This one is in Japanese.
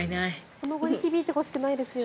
その後に響いてほしくないですよね。